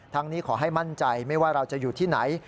นี้ขอให้มั่นใจไม่ว่าเราจะอยู่ที่ไหน